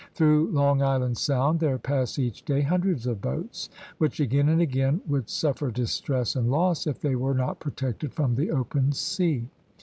Through Long Island Sound there pass each day hundreds of boats which again and again would suffer distress and loss if they were not protected from the open sea.